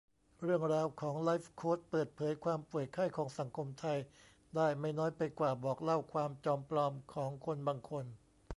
เรื่องราวของไลฟ์โคชเปิดเผยความป่วยไข้ของสังคมไทย ได้ไม่น้อยไปกว่าบอกเล่าความจอมปลอมของคนบางคน